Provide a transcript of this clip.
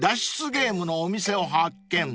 ゲームのお店を発見］